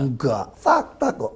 enggak fakta kok